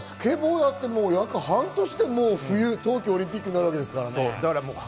スケボーやって半年で冬季オリンピックになるわけですからね。